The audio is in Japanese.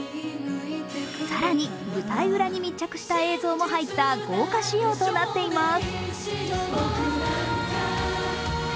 更に舞台裏に密着した映像も入った豪華仕様となっています。